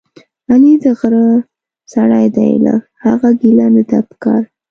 علي دغره سړی دی، له هغه ګیله نه ده پکار.